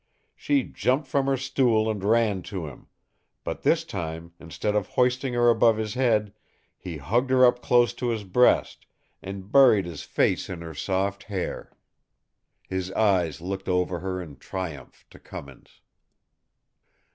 She jumped from her stool and ran to him; but this time, instead of hoisting her above his head, he hugged her up close to his breast, and buried his face in her soft hair. His eyes looked over her in triumph to Cummins.